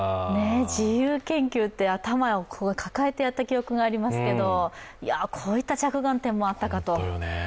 自由研究って頭を抱えてやった記憶がありますけどいや、こういった着眼点もあったかと。